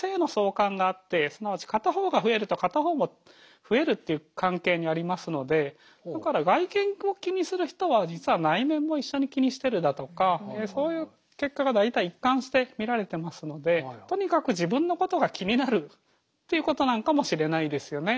ただ２つのものってっていう関係にありますのでだから外見を気にする人は実は内面も一緒に気にしてるだとかそういう結果が大体一貫して見られてますのでとにかく自分のことが気になるということなのかもしれないですよね。